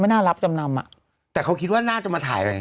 น่ารับจำนำอ่ะแต่เขาคิดว่าน่าจะมาถ่ายไป